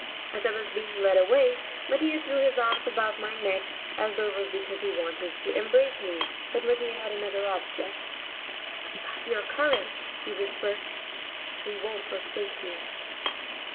As I was being led away, Mattia threw his arms about my neck, as though it was because he wanted to embrace me, but Mattia had another object. "Keep up your courage," he whispered, "we won't forsake you."